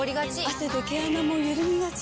汗で毛穴もゆるみがち。